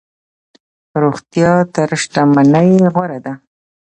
روغتيا تر شتمنۍ غوره ده.